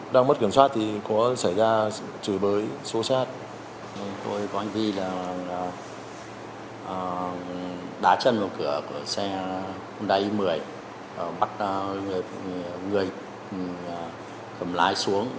đá chân vào cửa của xe hyundai i một mươi bắt người cầm lái xuống